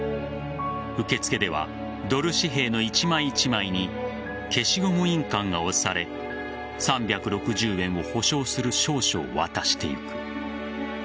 受付ではドル紙幣の一枚一枚に消しゴム印鑑が押され３６０円を保証する証書を渡してゆく。